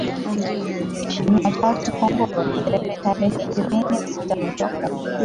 Mheshimiwa Charles Makongoro Nyerere tarehe ishirini na sita mwezi wa kumi